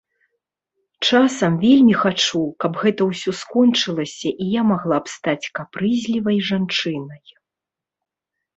Часам вельмі хачу, каб гэта ўсё скончылася і я магла б стаць капрызлівай жанчынай.